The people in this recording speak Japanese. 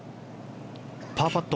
パーパット。